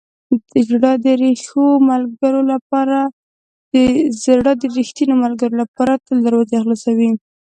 زړه د ریښتینو ملګرو لپاره تل دروازې خلاصوي.